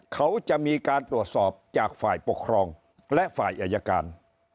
เขาจะมีการตรวจสอบจากฝ่ายปกครองและฝ่ายอายการ